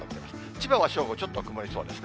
千葉は正午、ちょっと曇りそうですね。